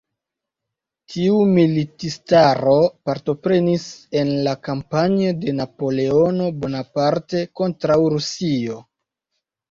Tiu militistaro partoprenis en la kampanjo de Napoleono Bonaparte kontraŭ Rusio.